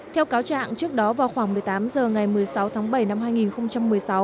theo cáo trạng trước đó vào khoảng một mươi tám h ngày một mươi sáu tháng bảy năm hai nghìn một mươi sáu